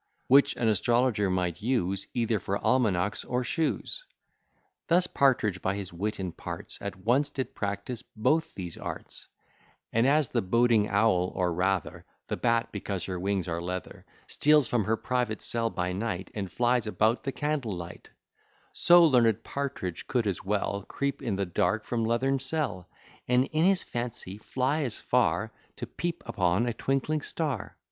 Which an astrologer might use Either for almanacks or shoes. Thus Partridge, by his wit and parts, At once did practise both these arts: And as the boding owl (or rather The bat, because her wings are leather) Steals from her private cell by night, And flies about the candle light; So learned Partridge could as well Creep in the dark from leathern cell, And in his fancy fly as far To peep upon a twinkling star.